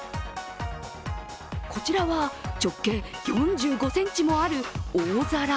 こちらは直径４５ｃｍもある大皿。